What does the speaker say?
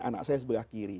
anak saya sebelah kiri